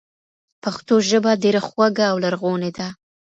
پښتو ژبه ډېره خوږه او لرغونې ده.